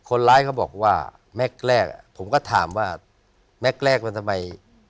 คนร้ายเขาบอกว่าแม็กซ์แรกผมก็ถามว่าแม็กซ์แรกมันทำไม